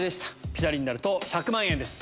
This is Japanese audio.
ピタリになると１００万円です。